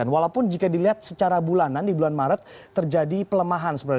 walaupun jika dilihat secara bulanan di bulan maret terjadi pelemahan sebenarnya